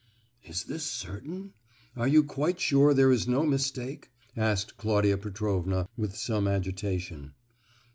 "Is this certain? Are you quite sure there is no mistake?" asked Claudia Petrovna, with some agitation.